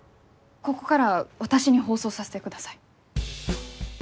ここから私に放送させてください。